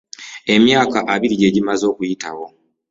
Emyaka abiri gye gimaze okuyitawo.